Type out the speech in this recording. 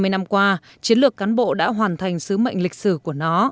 hai mươi năm qua chiến lược cán bộ đã hoàn thành sứ mệnh lịch sử của nó